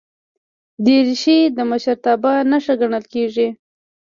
دریشي د مشرتابه نښه ګڼل کېږي.